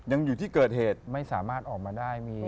ยังอยู่ที่เกิดเหตุไม่มีญาติไปเชิญ